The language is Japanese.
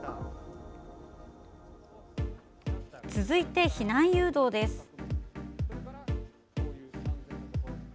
続いて避難誘導です。